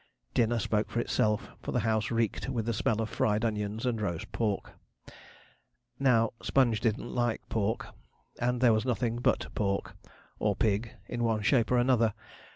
Dinner spoke for itself, for the house reeked with the smell of fried onions and roast pork. Now, Sponge didn't like pork; and there was nothing but pork, or pig in one shape or another.